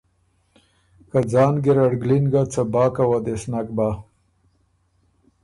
که ځان ګېرډ ګلِن ګۀ څۀ باک وه دې سو نک بَۀ۔